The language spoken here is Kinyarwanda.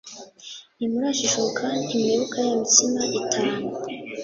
ntimurajijuka ntimwibuka ya mitsima itanu